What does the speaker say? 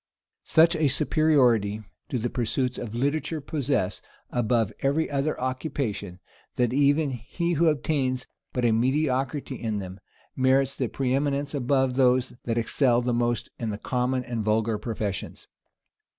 Such a superiority do the pursuits of literature possess above every other occupation, that even he who attains but a mediocrity in them, merits the preëminence above those that excel the most in the common and vulgar professions.